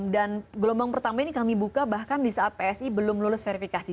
dan gelombang pertama ini kami buka bahkan di saat psi belum lulus verifikasi